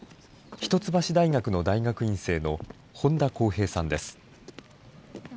一橋大学の大学院生の本田恒平さんです。